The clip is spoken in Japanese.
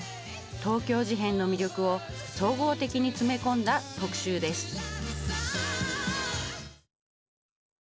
東京事変の魅力を総合的に詰め込んだ特集です。